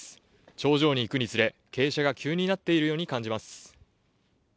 頂上に行くにつれ、傾斜が急になっているように感じます。